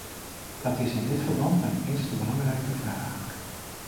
Dat is in dit verband mijn eerste belangrijke vraag.